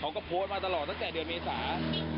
เขาก็โพสต์มาตลอดตั้งแต่เดือนเมษา